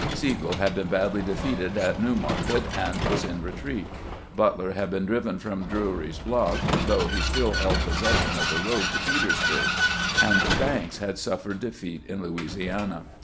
Sigel had been badly defeated at New Market, and was in retreat ; Butler had been driven from Drewry's Bluff, though he stiU held posses sion of the road to Petersburg ; and Banks had suffered defeat in Louisiana.